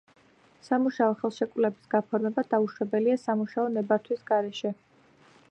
სამუშაო ხელშეკრულების გაფორმება დაუშვებელია სამუშაო ნებართვის გარეშე.